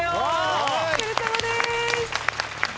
お疲れさまです。